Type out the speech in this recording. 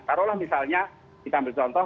taruhlah misalnya kita ambil contoh